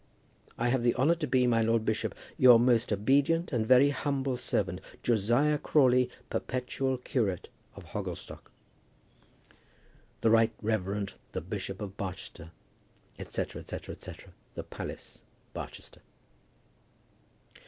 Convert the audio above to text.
I have the honour to be, my Lord Bishop, Your most obedient and very humble servant, JOSIAH CRAWLEY, Perpetual Curate of Hogglestock The Right Reverend The Bishop of Barchester, &c. &c. &c. The Palace, Barchester.